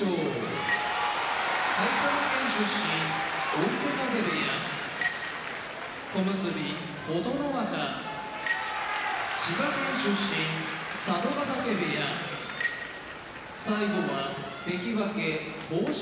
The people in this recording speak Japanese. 追手風部屋小結・琴ノ若千葉県出身佐渡ヶ嶽部屋関脇豊昇